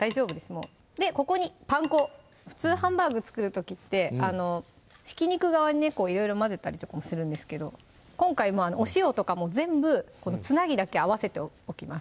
もうでここにパン粉普通ハンバーグ作る時ってひき肉側にねいろいろ混ぜたりとかもするんですけど今回お塩とかも全部つなぎだけ合わせておきます